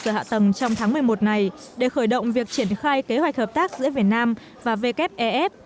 sự hạ tầng trong tháng một mươi một này để khởi động việc triển khai kế hoạch hợp tác giữa việt nam và wf ef